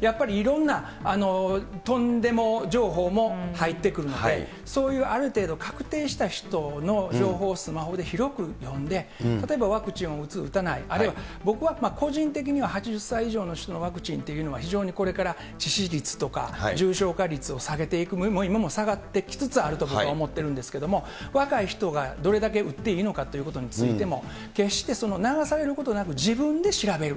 やっぱりいろんなとんでも情報も入ってくるので、そういうある程度確定した人の情報をスマホで広く読んで、例えばワクチンを打つ、打たない、あるいは僕は、個人的には８０歳以上の人のワクチンっていうのは、非常にこれから致死率とか重症化率を下げていく、今も下がってきつつあると、僕は思ってるんですけれども、若い人がどれだけ打っていいのかということについても、決して流されることなく、自分で調べる。